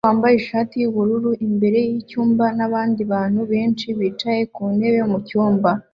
Umugabo wambaye ishati yubururu imbere yicyumba nabandi bantu benshi bicaye ku ntebe mucyumba